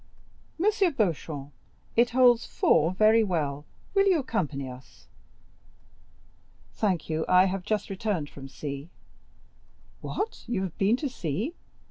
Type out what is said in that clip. M. Beauchamp, it holds four very well, will you accompany us?" "Thank you, I have just returned from sea." "What? you have been to sea?"